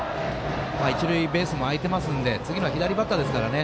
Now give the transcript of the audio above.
一塁ベースも空いてますので次は左バッターですからね。